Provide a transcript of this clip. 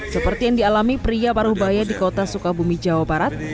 seperti yang dialami pria paruh baya di kota sukabumi jawa barat